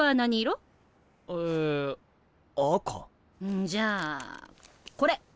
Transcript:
んじゃあこれ。